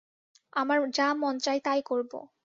আমার যা মন চায় তাই করবো।